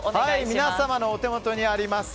皆様のお手元にあります